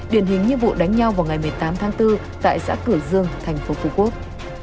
điển hình nhiệm vụ đánh nhau vào ngày một mươi tám tháng bốn tại xã cửa dương tp phú quốc